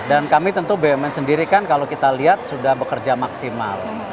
dan kami tentu bumn sendiri kan kalau kita lihat sudah bekerja maksimal